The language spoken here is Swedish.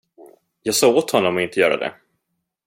Jag sa åt honom att inte göra det.